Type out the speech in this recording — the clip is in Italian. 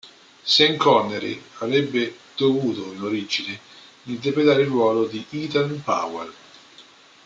Sean Connery avrebbe dovuto, in origine, interpretare il ruolo di Ethan Powell.